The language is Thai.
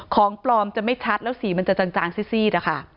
ของปลอมจะไม่ชัดแล้วสีจะจางซี่